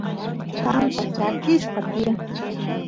pampa chakisqa tiyan